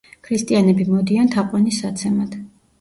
ქრისტიანები მოდიან თაყვანის საცემად.